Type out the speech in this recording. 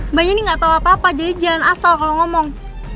mbaknya ini gak tau apa apa jadi jangan asal kalau ngomong